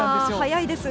早いです。